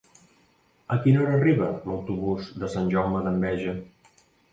A quina hora arriba l'autobús de Sant Jaume d'Enveja?